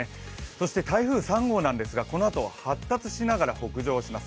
そして台風３号なんですが、このあと発達しながら北上します。